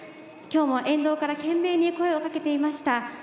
きょうも沿道から懸命に声をかけていました。